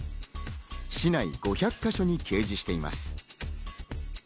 市内５００か所に掲示しています。